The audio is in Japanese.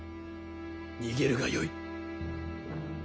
逃げるがよい。